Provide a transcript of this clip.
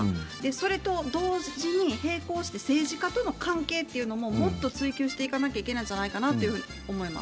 それと同時に、並行して政治家との関係っていうのも、もっと追及していかなきゃいけないんじゃないかなと思います。